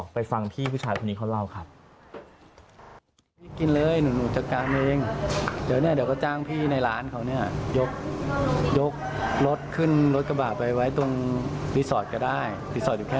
ไปฟังพี่ผู้ชายคนนี้เขาเล่าครับ